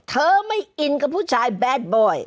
เธอไม่อินกับผู้ชายแบดบ่อย